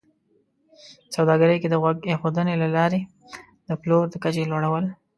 په سوداګرۍ کې د غوږ ایښودنې له لارې د پلور د کچې لوړول